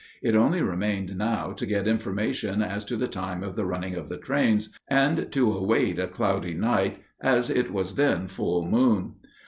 It only remained now to get information as to the time of the running of the trains and to await a cloudy night, as it was then full moon.